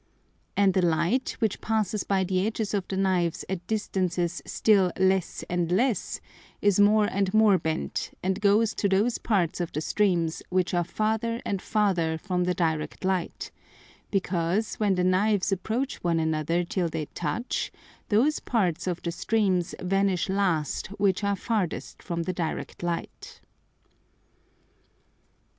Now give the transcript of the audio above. And the Light which passes by the edges of the Knives at distances still less and less, is more and more bent, and goes to those parts of the streams which are farther and farther from the direct Light; because when the Knives approach one another till they touch, those parts of the streams vanish last which are farthest from the direct Light.